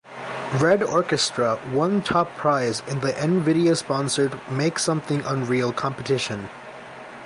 "Red Orchestra" won top prize in the nVidia-sponsored Make Something Unreal competition.